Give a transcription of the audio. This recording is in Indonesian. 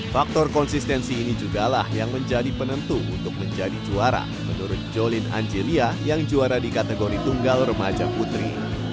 faktor konsistensi ini juga lah yang menjadi penentu untuk menjadi juara menurut jolin angelia yang juara di kategori tunggal remaja putri